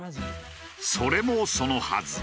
それもそのはず。